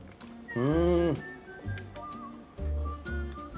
うん！